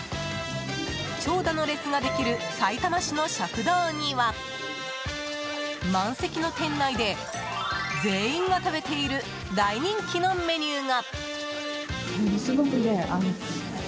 長蛇の列ができるさいたま市の食堂には満席の店内で、全員が食べている大人気のメニューが。